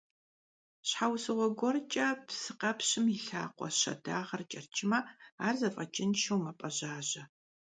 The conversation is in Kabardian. Щхьэусыгъуэ гуэркӀэ псыкъэпщым и лъакъуэ щэдагъэр кӀэрыкӀмэ, ар зэфӀэкӀыншэу мэпӀэжьажьэ.